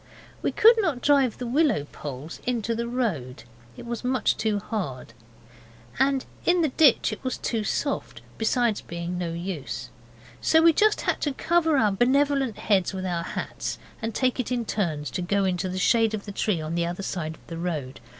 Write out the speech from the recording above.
We could not drive the willow poles into the road; it was much too hard. And in the ditch it was too soft, besides being no use. So we had just to cover our benevolent heads with our hats, and take it in turns to go into the shadow of the tree on the other side of the road.